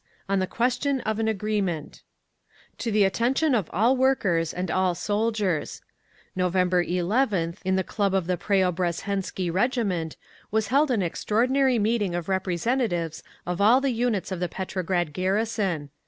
ON THE QUESTION OF AN AGREEMENT To the Attention of All Workers and All Soldiers. November 11th, in the club of the Preobrazhensky Regiment, was held an extraordinary meeting of representatives of all the units of the Petrograd garrison.